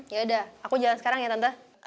ya udah aku jalan sekarang ya tante